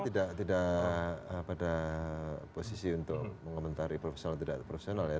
saya tidak pada posisi untuk mengomentari profesional tidak profesional ya